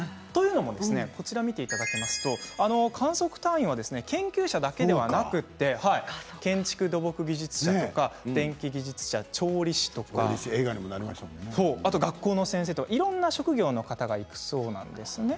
というのも観測隊員は研究者だけではなくて建築・土木技術者とか電気技術者、調理師とかあと学校の先生とかいろんな職業の方がいるそうなんですね。